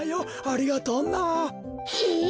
ありがとうな。え！